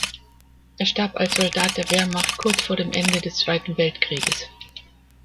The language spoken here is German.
Er starb als Soldat der Wehrmacht kurz vor dem Ende des Zweiten Weltkrieges.